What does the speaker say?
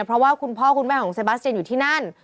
เพราะว่าคุณพ่อคุณแม่ของเซบาเซียนอยู่ที่นั่น